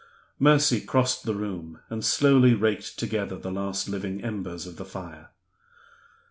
Mercy crossed the room, and slowly raked together the last living embers of the fire.